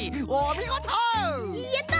やった！